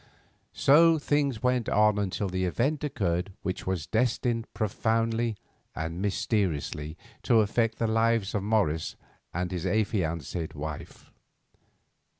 So things went on until the event occurred which was destined profoundly and mysteriously to affect the lives of Morris and his affianced wife.